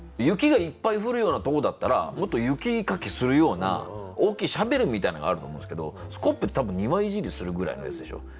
雪がいっぱい降るようなとこだったらもっと雪かきするような大きいシャベルみたいなのがあると思うんですけどスコップって多分庭いじりするぐらいのやつでしょ。